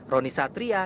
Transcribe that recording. roni satria jakarta